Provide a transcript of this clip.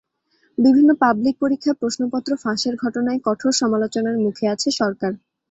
বিভিন্ন পাবলিক পরীক্ষায় প্রশ্নপত্র ফাঁসের ঘটনায় কঠোর সমালোচনার মুখে আছে সরকার।